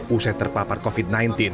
usai terpapar covid sembilan belas